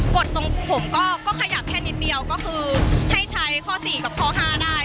ตรงผมก็ขยับแค่นิดเดียวก็คือให้ใช้ข้อ๔กับข้อ๕ได้